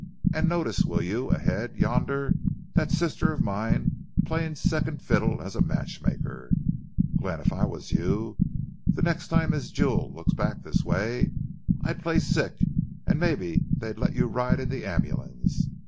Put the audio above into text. And notice, will you, ahead yonder, that sister of mine playing second fiddle as a matchmaker. Glenn, if I was you, the next time Miss Jule looks back this way, I'd play sick, and maybe they'd let you ride in the ambulance.